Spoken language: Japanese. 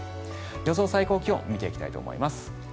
予想最高気温を見ていきたいと思います。